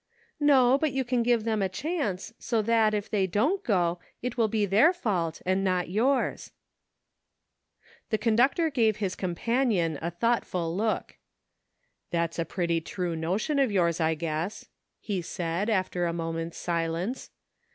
"No, but you can give them a chance, so that, if they don't go, it will be their fault, and not yours." The conductor gave his companion a thought ful look. "That's a pretty true notion of yours, I guess," he said, after a moment's silence.